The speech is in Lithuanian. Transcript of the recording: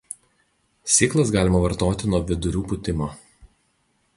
Sėklas galima vartoti nuo vidurių pūtimo.